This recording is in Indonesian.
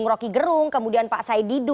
seperti bung roky gerung kemudian pak saididu